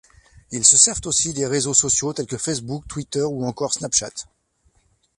Ils se servent aussi des réseaux sociaux tels que facebook, twitter ou encore snapchat.